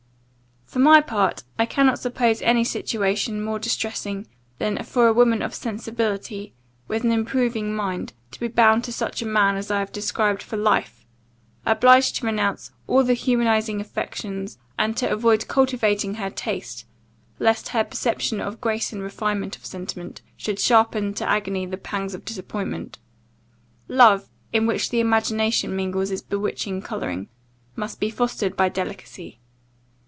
] For my part, I cannot suppose any situation more distressing, than for a woman of sensibility, with an improving mind, to be bound to such a man as I have described for life; obliged to renounce all the humanizing affections, and to avoid cultivating her taste, lest her perception of grace and refinement of sentiment, should sharpen to agony the pangs of disappointment. Love, in which the imagination mingles its bewitching colouring, must be fostered by delicacy.